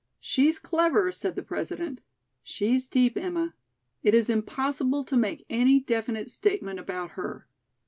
"She's clever," said the President. "She's deep, Emma. It is impossible to make any definite statement about her.